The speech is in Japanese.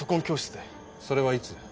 それはいつ？